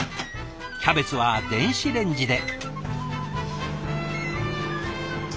キャベツは電子レンジで。